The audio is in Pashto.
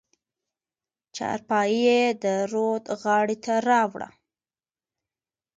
چارپايي يې د رود غاړې ته راوړه.